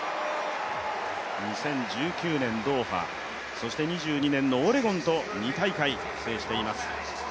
２０１９年ドーハ、そして２２年のオレゴンと２大会制しています。